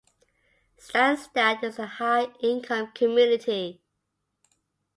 Stansstad is a high-income community.